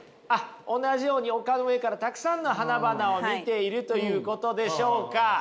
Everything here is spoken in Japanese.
同じように丘の上からたくさんの花々を見ているということでしょうか？